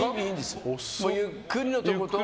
ゆっくりのとこと。